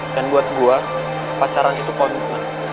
dan buat gue pacaran itu konfliknya